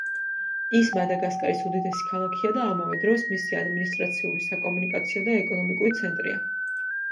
ის მადაგასკარის უდიდესი ქალაქია და ამავე დროს მისი ადმინისტრაციული, საკომუნიკაციო და ეკონომიკური ცენტრია.